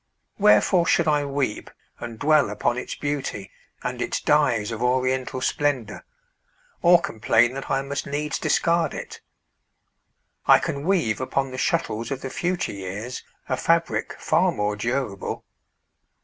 Wherefore should I weep And dwell upon its beauty, and its dyes Of oriental splendor, or complain That I must needs discard it? I can weave Upon the shuttles of the future years A fabric far more durable.